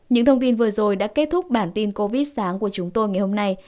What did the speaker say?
những thông tin vừa rồi đã kết thúc bản tin covid sáng của chúng tôi ngày hôm nay